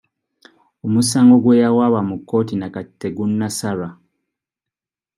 Omusango gwe yawaaba mu kkooti na kati tegunnasalwa.